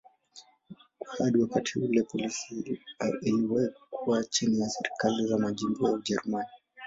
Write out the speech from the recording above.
Hadi wakati ule polisi iliwahi kuwa chini ya serikali za majimbo ya Ujerumani.